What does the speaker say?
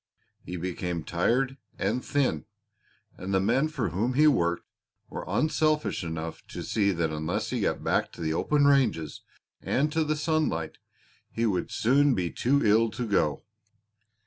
He became tired and thin, and the men for whom he worked were unselfish enough to see that unless he got back to the open ranges and to the sunlight he would soon be too ill to go.